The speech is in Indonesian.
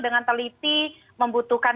dengan teliti membutuhkan